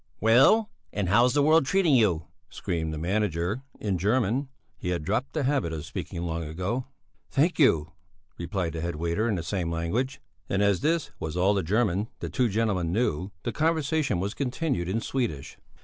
"Well, and how's the world treating you?" screamed the manager in German he had dropped the habit of speaking long ago. "Thank you!" replied the head waiter in the same language, and as this was all the German the two gentlemen knew, the conversation was continued in Swedish.